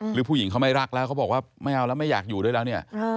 หรือผู้หญิงเขาไม่รักแล้วเขาบอกว่าไม่เอาแล้วไม่อยากอยู่ด้วยแล้วเนี่ย